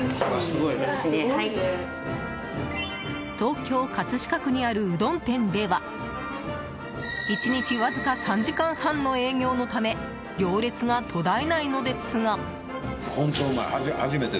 東京・葛飾区にあるうどん店では１日わずか３時間半の営業のため行列が途絶えないのですが。